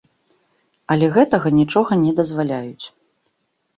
Але гэтага нічога не дазваляюць!